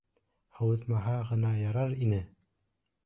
Һыуытмаһа ғына ярар ине.